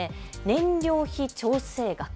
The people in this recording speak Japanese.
燃料費調整額。